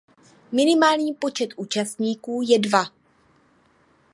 Minimální počet účastníků je dva.